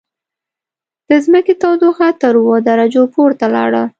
د ځمکې تودوخه تر اووه درجو پورته لاړه.